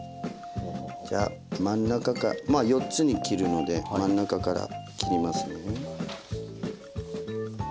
じゃあ真ん中かまあ４つに切るので真ん中から切りますね。